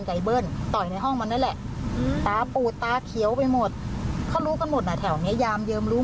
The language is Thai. คือก็คุยอ่ะ